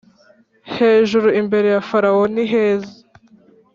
hejuru imbere ya Farawo niheza